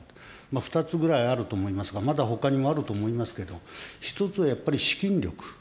２つぐらいあると思いますが、まだほかにもあると思いますけど、１つはやっぱり資金力。